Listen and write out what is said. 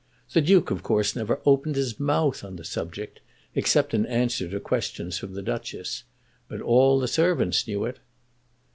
The Duke of course never opened his mouth on the subject, except in answer to questions from the Duchess; but all the servants knew it.